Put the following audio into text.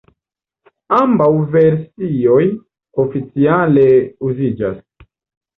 Ambaŭ versioj oficiale uziĝas.